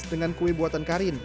dengan kue buatan karin